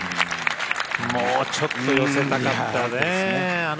もうちょっと寄せたかったね。